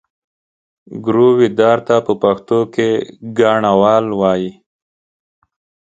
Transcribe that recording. ګرويدار ته په پښتو کې ګاڼهوال وایي.